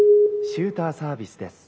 「シューターサービスです。